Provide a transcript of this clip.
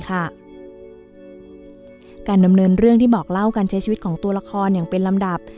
การดำเนินเรื่องที่บอกเล่าการใช้ชีวิตของตัวละครอย่างเป็นลำดับ